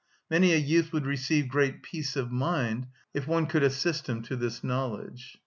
Many a youth would receive great peace of mind if one could assist him to this knowledge.